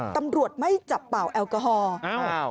ตำรวจไม่จับเป่าแอลกอฮอล์